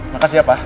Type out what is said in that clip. makasih ya pak